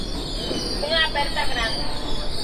Unha aperta grande.